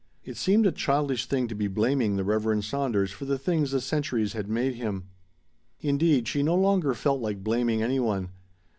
It seemed a childish thing to be blaming the Reverend Saunders for the things the centuries had made him. Indeed, she no longer felt like "blaming" any one.